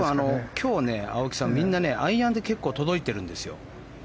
今日はみんなアイアンで結構届いてるんですよ。